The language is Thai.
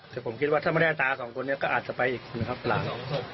แต่ผมคิดว่าถ้าไม่ได้ตาสองคนนี้ก็อาจจะไปอีกนะครับหลาน